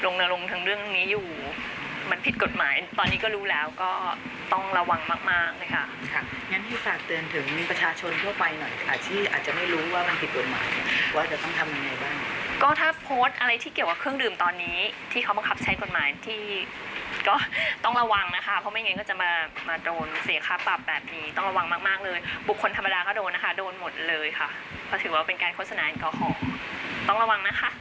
นางระวังนะคะ